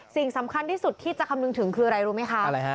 สิ่งสำคัญที่สุดที่จะคำนึงถึงคืออะไรรู้ไหมคะ